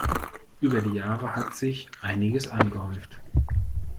Über die Jahre hat sich einiges angehäuft.